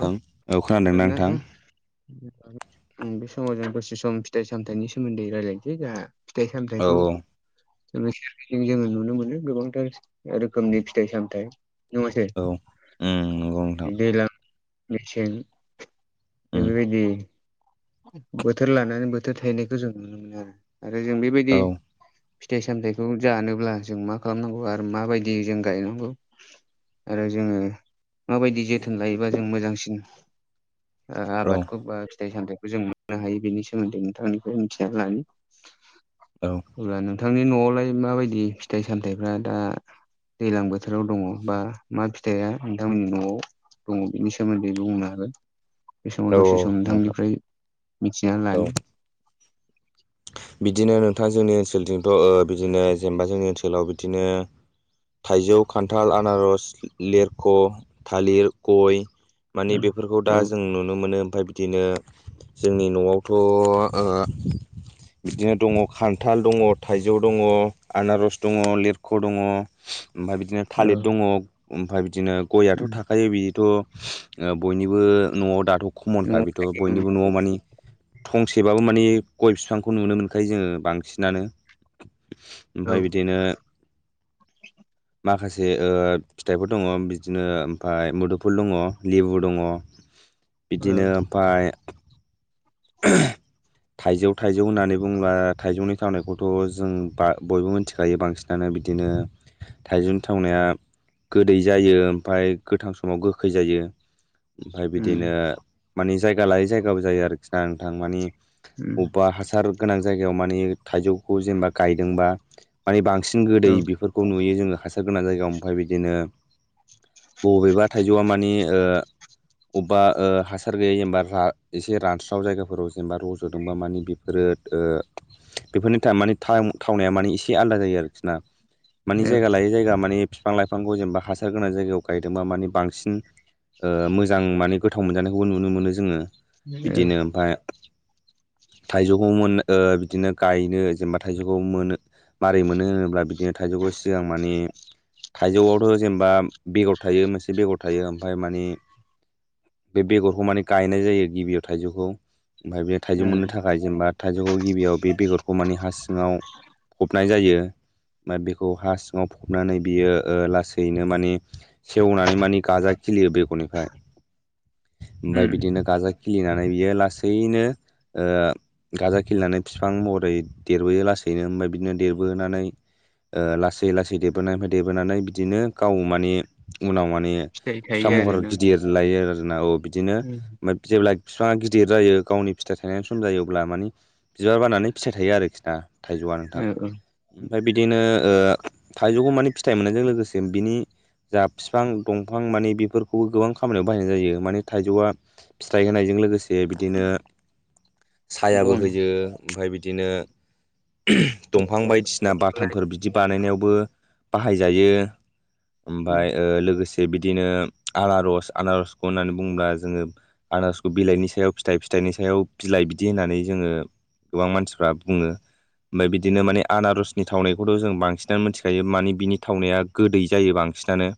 Hello नोंथां औ नोंथां खोनादोंना नोंथां? उम बे समाव जों दसे सम फिथाइ सामथायनि सोमोनदै रायज्लायनोसै जोंहा। फिथाय औ सामथायखौ जोङो [unintelligible] नुनो मोनो गोबांथार रोखोमनि फिथाइ सामथायाइ नङासै औ उम नंगौ नोंथां दैलां मेसें उम बेफोरबायदि बोथोर लानानै बोथोर थाहैनायखौ जों नुनो मोनो आरो आरो जों औ बेबायदि औ फिथाइ सामथायाइखौ जानोब्ला जों मा खालामनांगौ आरो माबायदि जों गायनांगौ ओ जोङो माबायदि जोथोन लायोबा जों मोजांसिन ओ औ आबादखौ बा फिथाइ सामथाइखौ जों मोननो हायो बेनि सोमोन्दै नोंथां मोननिखौ मिथिनानै लानि। औ अब्ला नोंथांनि न'आवलाय माबायदि फिथाइ सामथाइफ्रा दा दैलां बोथोराव दङ बा मा फिथाइआ नोंथांमोननि न'आव दङ बिनि सोमोन्दै बुंनो हागोन बे समाव औ दसे सम नोंथां नोंथांनिफ्राय मिथिना औ लानि बिदिनो नोंथां जोंनि ओनसोलजोंथ' ओ बिदिनो जेनेबा जोंनि ओनसोलाव बिदिनो थाइजौ खान्थाल आनारस लिरख' थालिर गय मानि बेफोरखौ दा औ जों नुनो मोनो ओमफय बिदिनो जोंनि न'आवथ' ओ बिदिनो दङ खान्थाल दङ थाइजौ दङ आनारस दङ लिरख' दङ ओमफ्राय बिदिनो थालिर औ दङ ओमफ्राय बिदिनो गयआथ' उम थाखायो बिथ' बयनिबो न'आव दाथ' खमनखा न'आव बेथ' थायो बयनिबो न'आव मानि थंसेबाबो माने गय फिफां खौ नुनो मोनखायो जोङो बांसिनानो औ ओमफ्राय बिदिनो [inaudible] माखासे ओ फिथाइफोर दङ बिदिनो ओमफ्राय मुदुफुल दङ लेबु दङ औ बिदिनो ओमफाय [unintelligible] थाइजौ थाइजौ होननानै बुङोब्ला थाइजौनि थावनायखौथ' जों बा बयबो मिथिखायो बांसिन दाना बिदिनो थाइजौ थावनाया गोदै जायो ओमफ्राय गोथां समाव गोखै जायो ओमफ्राय उम बिदिनो मानि जायगा लायै जायगाबो जायो आरोखि ना नोंथां मानि उम बबेबा हासार गोनां जायगायाव मानि थाइजौखौ जेनेबा गायदोंबा मानि बांसिन औ गोदै बेफोरखौ नुयो जोंङो हासार गोनां जायगायाव ओमफ्राय बिदिनो बबेबा थाइजौआ मानि ओ अबेबा ओ हासार गैयै जेनबा एसे रानस्र स्राव जायगाफोराव जेनेबा रज'दोंबा मानि बेफोरो ओ बेफोरनि टाइम माने टाइम थावनाया माने इसे आलदा जायो आरोखिना मानि औ जायगा लायै जायगा मानि बिफां लाइफांखौ जेनेबा हासार गोनां जायगायाव गायदोंबा माने बांसिन ओ मोजां माने गोथाव मोनजानायखौबो नुनो मोनो जोंङो औ बिदिनो ओमफ्राय थाइजौखौ मोन ओ बिदिनो गायनो जेनेबा थाइजौखौ मोनो मारै मोनो होनोब्ला बिदि दिनो थाइजौखौ सिगां माने थाइजौआवथ' जेनेबा बेगर थायो मोनसे बेगर थायो ओमफाय मानि बे बेगरखौ माने गायनाय जायो गिबियाव थाइजौखौ। ओमफाय बे थाइजौ मोननो उम थाखाय जेनेबा थाइजौखौ गिबियाव बे बेगरखौ माने हा सिङाव फबनाय जायो। बा बेखौ हा सिङाव फबनानै बियो ओ लासैनो मानि सेवनानै मानि गाजा खिलियो बेगरनिफ्राय। ओमफाय उम बिदिनो गाजा खिलिनानै बियो लासैनो ओ गाजा खिलिनानै बिफां महरै देरबोयो लासैनो। ओमफाय बिदिनो देरबोनानै ओ लासै लासै देरबोनायनिफ्राय देरबोनानै बिदिनो गाव माने उनाव माने फिथाइ थायो फिसा महर आरोना गिदिर लायो आरोना। औ बिदिनो उम ओमफ्राय जेब्ला बिफाङा गिदिर जायो गावनि फिथाइ थायनायनि सम जायो अब्ला मानि बिबार बारनानै फिथाइ थायो आरोखि ना थाइजौआ नोंथां। औ औ ओमफाय बिदिनो ओ थाइजौखौ माने फिथाइ मोननायजों लोगोसे बिनि जा बिफां दंफां मानि बेफोरखौबो गोबां खामानियाव बाहायनाय जायो। माने थाइजौआ फिथाइ होनायजों लोगोसे बिदिनो सायाबो बन होयो। ओमफाय बिदिनो दंफां बायदिसिना बाथामफोर बिदि बानायनायावबो बाहायजायो ओमफाय ओ लोगोसे जे बिदिनो आनारस आनारसखौ होननानै बुङोब्ला जोङो आनारजखौ बिलाइनि सायाव फिथाइ फिथाइनि सायाव बिलाइ बिदि होनानै जोङो गोबां मानसिफ्रा बुङो ओमफाय बिदिनो माने आनारसनि थावनायखौथ' जों बांसिनानो मिथिखायो। मानि बिनि थावनाया गोदै जायो बांसिनानो।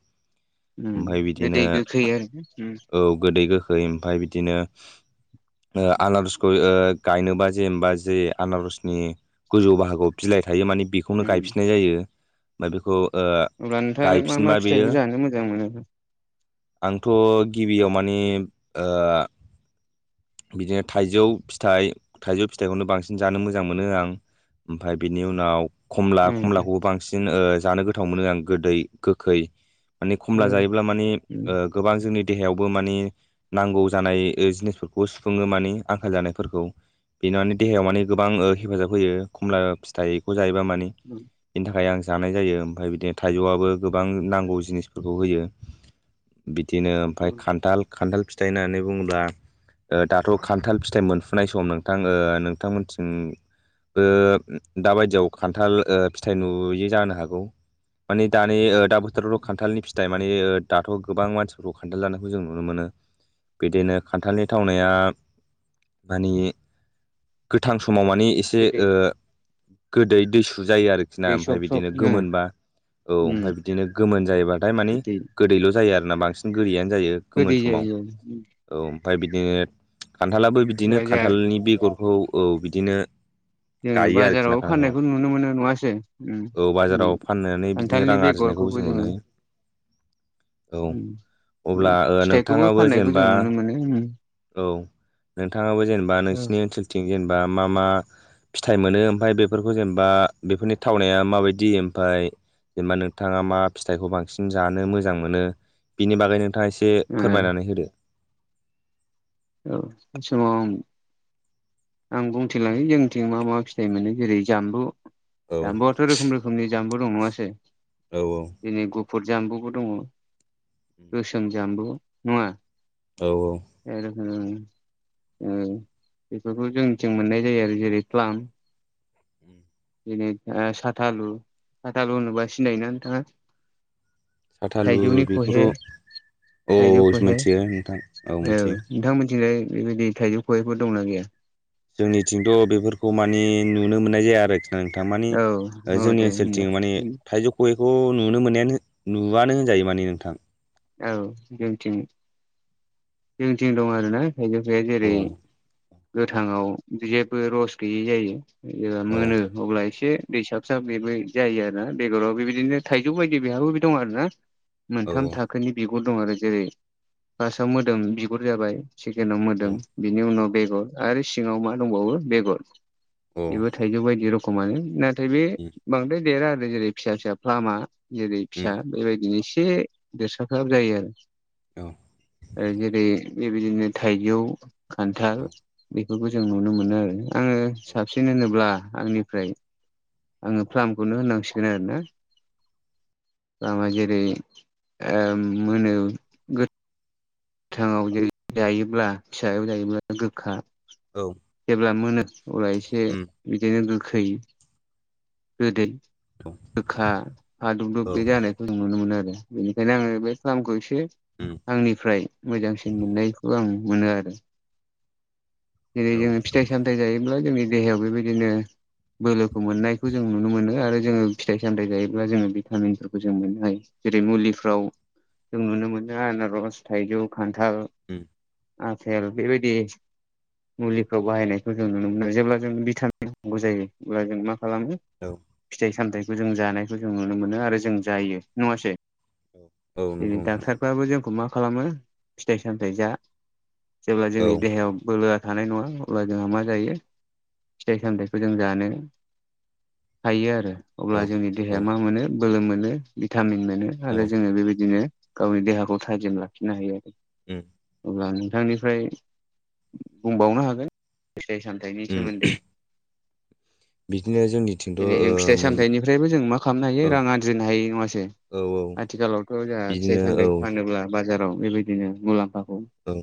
उम ओमफाय बे बिदिनो दै गोखै आरो उम औ गोदै गोखै खै ओमफाय बिदिनो ओ आनारसखौ ओ गायनोबा जेनेबा जि आनारसनि गोजौ बाहागोआव बिलाइ थायो माने बे खौनो उम गायफिननाय जायो। ओमफाय बेखौ अब्ला नोंथाङालाय मा गायफिनबा मा बेयो फिथाइखौ जानो मोजां मोनो? आंथ' गिबियाव मानि ओ बिदिनो थाइजौ फिथाइ थाइजौ फिथाइखौनो बांसिन जानो मोजां मोनो आं। ओमफाय बिनि उनाव खमला उम खमलाखौबो बांसिन जानो गोथाव मोनो आं गोदै गोखै माने खमला उम जायोब्ला मानि उम ओ गोबां जोंनि देहायावबो मानि नांगौ जानाय जिनिसफोरखौ सुफुङो मानि आंखाल जानायफोरखौ। बेनानो देहायाव माने गोबां हेफाजाब होयो खमला फिथाइखौ जायोबा माने। उ बेनि थाखाय आं जानाय जायो। ओमफाय बिदिनो थाइजौआबो गोबां नांगौ जिनिसफोरखौ होयो। बिदिनो ओमफाय उम खान्थाल खान्थाल फिथाइ होननानै बुङोब्ला ओ दाथ' खान्थाल फिथाइ मोनफुनाय सम नोंथां ओ नोंथांमोनथिं बो दाबायदियाव खान्थाल ओ फिथाइ नुयो जानो हागौ। मानि दानि ओ दा बोथोराव र' खान्थालनि फिथाइ मानि दाथ' गोबां मानसिफोरखौ खान्थाल जानायखौ जों नुनो मोनो। बिदिनो खान्थालनि थावनाया मानि गोथां समाव मानि एसे गोदै ओ गोदै दैसु जायो आरो खिना दै ओमफाय सब सब बिदिनो उम गोमोनबा औ उम ओमफाय बिदिनो गोमोन जायोबाथाय मानि गोदै गोदैल' जायो आरोना बांसिन गोदैयानो जायो गोदै गोमोन समाव। जायो औ ओमफाय बिदिनो खान्थालाबो बिदिनो जा खान्थालनि बेगरखौ औ बिदिनो जोङो गायो आरोखिना बाजाराव खान्थालखौ। फाननायखौ नुनो मोनो नङासै उम औ दिनै बाजाराव फाननानै बिदि दि खान्थालनि रां आरजिनायखौबो बेगरखौबो जों नुनो जोङो औ उम अब्ला ओ नोंथाङाबो जेने बेखौ जों नुनो मोनो। उम औ नोंथाङाबो जेनेबा ओ नोंसिनि ओनसोलथिं जेनेबा मा मा फिथाइ मोनो ओमफाय बेफोरखौ जेनेबा बेफोरनि थावनाया माबायदि जेनेबा नोंथाङा मा फिथाइखौ बांसिन जानो मोजां मोनो बिनि बागै नोंथाङा एसे से औ फोरमायनानै होदो औ बे समाव आं आं बुंथिलांनि जोंनिथिं मा मा फिथाइ मोनो जेरै जामबु औ जाम्बुआथ रोखोम रोखोमनि जामबु दं नङासै औ औ जेरै गुफुर जामबुबो दङ गोसोम जामबु नङा? औ औ बे रोखोमनि उम बेफोरखौ जोंनिथिं मोननाय जायो आरो जेरै प्लाम जेरै ओ साथालु साथालु होनोबा सिनायोना नोंथाङा? साथालु थाइजौनि खहे बेखौथ' औ थाइजौखहे मिथियो नोंथां औ मिथियो नोंथांमोनथिंजाय बेबायदि थाइजौ खहे फोर दंना गैया? जोंनिथिंथ बेफोरखौ माने नुनो मोननाय जाया आरो ओ नोंथां माने औ औ जोंनि दे ओनसोलथिं माने होनबा थाइजौ खहेखौ नुनो मोननायानो नुआानो होनजायो माने नोंथां औ जोंथिं जोंथिं दं आरोना थायजौ‌खहेया अ जेरै गोथांआव जेबो रस गैयै जायो ओ औ मोनो अब्ला एसे दैसाब साब बेबो जायो आरोना बेगराव बेबायदिनो थाइजौ बायदि बिहाबो दं आरो ना मोनथाम थाखोनि बिगुर दं आरो जेरै फार्स्टआव मोदोम बिगुर जाबाय सेकेेनाव औ मोदोम बिनि उनाव बेगर आरो सिङाव मा दंबावो बेगर औ बेबो थाइजौ बायदि रखोमानो नाथाय बे बांद्राय देरा आरो जेरै फिसा फिसा फ्लामा जेरै उम फिसा उम बेबायदिनो एसे देरसाब साब जायो आरो औ ओ जेरै बेबायदिनो थाइजौ खान्थाल औ बे बेफोरखौ जों नुनो मोनो आरो आङो साबसिन होनोब्ला आंनिफ्राय आङो फ्लार्खौनो होनांसिगोन आरो ना प्लामा जेरै ओम मोनो थाङाव जेरै जायोब्ला फिसायाव जायोब्ला गोखा औ जेब्ला मोनो अब्ला एसे उम बिदिनो गोखै गोदै औ गोखा फादुब दुब औ बे जानायखौ जों नुनो मोनो आरो बेनिखायनो आङो बे प्लामखौ ए उम [unintelligible] आंनिफ्राय मोजांसिन मोननायखौ आं मोनो आरो जेरै औ जोङो उम फिथाइ सामथायाइ जायोब्ला जोंनि देहायाव बेबायदिनो बोलोखौ मोननायखौ जों नुनो मोनो आरो जोङो फिथाइ सामथायाइ जायोब्ला जोङो भिटामिनफोरखौ जों मोननो हायो जेरै मुलिफ्राव जों नुनो मोनो आनारस थाइजौ खान्थाल आफेल बेबायदि मुलिफ्राव बाहायनायखौ जों नुनो मोनो जेब्ला जों भिटामिन नांगौ जायो अब्ला जों मा? खालामो औ फिथाइ सामथायाइखौ जों जानायखौ जों नुनो मोनो आरो जों जायो नङासै? औ औ जेरै नंगौ नोंथां डाक्टारफ्राबो जोंखौ मा खालामो फिथाइ सामथाय जा जेब्ला औ जोंनि देहायाव बोलोआ थानाय नङा अब्ला जोंहा मा जायो फिथाइ सामथाइखौ जों जानो हायो आरो अब्ला औ जोंनि देहाया औ मा मोनो बोलो मोनो भिटामिन मोनो आरो औ जोङो बेबायदिनो गावनि देहाखौ थाजिम लाखि नो हायो आरो उम अब्ला नोंथांनिफ्राय बुंबावनो हागोन फिथाय सामथायनि उम सोमोन्दै बिदिनो जोंनिथिंथ' जेरै ओ जों फिथाइ मोन सामथाइनिफ्रायबो जों मा खालामनो हायो औ रां आरजिनो हायो नङासै औ औ आथिखालावथ जोंहा फिथाइ बिदिनो औ सामथाइ फानोब्ला बाजाराव बेबायदिनो मुलाम्फाखौ औ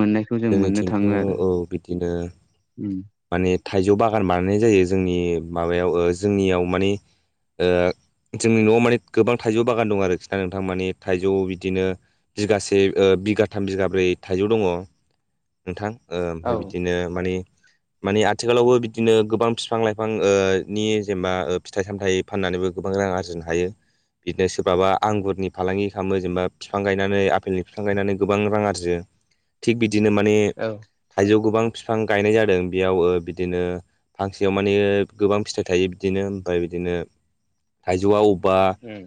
मोननायखौ जों मोननो जोंनिथिंथ' थाङो आरो औ बिदिनो माने थाइजौ बागान बानायनाय जायो जोंनि माबायाव जोंनियाव माने ओ जोंनि नआव माने गोबां थाइजौ बागान दं आरोखि ना नोंथां माने थाइजौ बिदिनो बिगासे ओ बिगाथाम बिगाब्रै थाइजौ दङ नोंथां औ ओमफ्राय बिदिनो मानि मानि आथिखालावबो बिदिनो गोबां बिफां लाइफां नि जेनेबा फिथाइ सामथाइ फाननानैबो गोबां रां आरजिनो हायो बिदिनो सोरबाबा आंगुरनि फालांगि खालामो जेनेबा बिफां गायनानै आफेलनि बिफां गायनानै गोबां रां आरजियो थिग बिदिनो माने औ थाइजौ गोबां फिफां गायनाय जादों बेयाव बिदिनो फांसेयाव माने गोबां फिथाइ थायो बिदिनो ओमफ्राय बिदिनो थाइजौआ अबेबा उम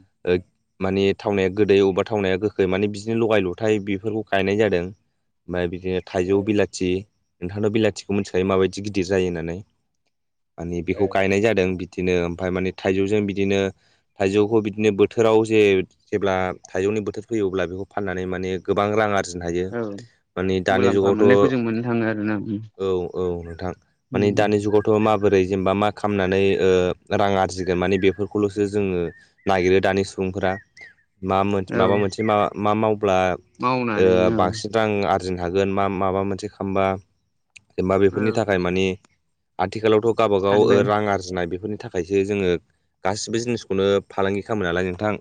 माने थावनाया गोदै अबेबा थावनाया गोखै माने बिदिनो लगाय लथाय बेफोरखौ गायनाय जादों ओमफ्राय बिदिनो थाइजौ उम बिलाथि नोंथांनाव बिलाथिखौ मिथिखायो माबायदि गिदिर जायो होननानै माने बेखौ उम गायनाय जादों बिदिनो ओमफफ्राय माने थाइजौजों बिदिनो थाइजौखौ बिदिनो बोथोराव जे जेब्ला थाइजौनि बोथोर फैयो अब्ला बेखौ फाननानै माने गोबां रां आरजि दायो औ मानि दानि मुलाम्फा जुगावथ मोननायखौ जों मोननो थाङो आरोना उम औ औ नोंथां माने उम दानि जुगाव थ माबोरै जेनेबा मा खालामनानै रां आरजिगोन माने बेफोरखौलसो जोङो नागिरो दानि सुबुंफोरा मा औ माबा मोनसे म मा मावब्ला मावनानै औ बांसिन रां आरजिनो हागोन मा माबा मोनसे खालामबा जेनबा औ बेफोरनि थाखाय मानि आथिखालावथ गावबागाव सानबाय रां आरजिनाय बेफोरनि थाखाय थाखायसो जोङो गासिबो जिनिसखौनो फालांगि खालामो नालाय नोंथां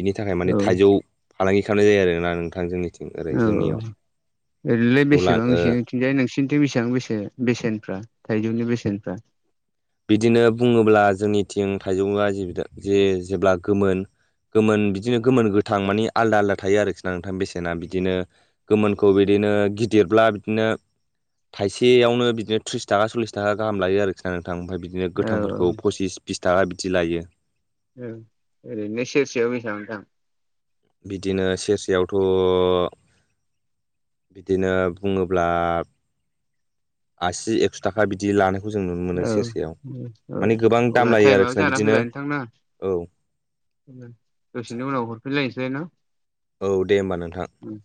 बिनि थाखाय माने औ थाइजौ फालांगि खालामनाय जायो आरोना नोंथां जोंनिथिं ओरै औ जोंनियाव ओरैलाय अब्ला ओ बेसेबांसो जाय नोंसिनिथिं बेसेबां बेसे बेसेनफ्रा थाइजौनि बेसेनफ्रा बिदिनो बुङोब्ला जोंनिथिं थाइजौआ जे जेब्ला गोमोन। गोमोन बिदिनो गोमोन गोथां मानि आलदा आलदा थायो आरोखि ना नोंथां बेसेना बिदिनो गोमोनखौ बिदिनो गिदिरब्ला बिदिनो थाइसेयावनो बिदिनो त्रिस थाखा सल्लिस थाखा गाहाम लायो आरोखि आङो गोथां ओमफ्राय बिदिनो औ गोथांफोरखौ फसिस बिस थाखा बिदि लायो। ओरैनो सेरसेयाव बेसेबां? बिदिनो सेरसेयावथ' बिदिनो बुङोब्ला आसि एकस' थाखा बिदि लानायखौ जों नुनो मोनो औ सेरसेयाव औ माने गोबां अब्ला दाम लायो टाइमाबो आरोखि ना जाना बिदिनो फैबाय नोंथां ना औ दसेनि उनाव हरफिनलायनोसै ना औ दे होमबा नोंथां। ओम